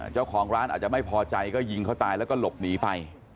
เจ้าของร้านอาจจะไม่พอใจก็ยิงเขาตายแล้วก็หลบหนีไป